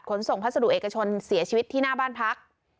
ขนส่งพัสดุเอกชนเสียชีวิตที่หน้าบ้านพัก